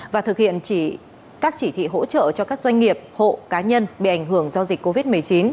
và thực hiện các chỉ thị hỗ trợ cho các doanh nghiệp hộ cá nhân bị ảnh hưởng do dịch covid một mươi chín